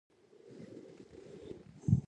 له هغوی سره سفر وکړه شپې او ورځې ورسره تېرې کړه.